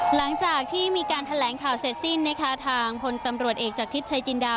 หลังจากที่มีการแถลงข่าวเสร็จสิ้นนะคะทางพลตำรวจเอกจากทิพย์ชายจินดา